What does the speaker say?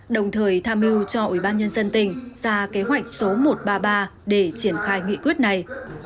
đồng thời tham mưu cho ủy ban nhân dân tỉnh ra kế hoạch số một trăm ba mươi ba để triển khai nghị quyết này